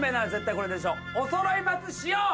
おそろい松しよう！